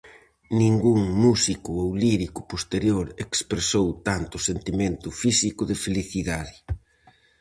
Ningún músico ou lírico posterior expresou tanto o sentimento físico de felicidade.